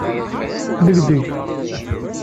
Ddegdeg.